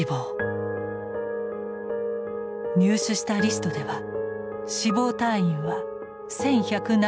入手したリストでは死亡退院は１，１７４人。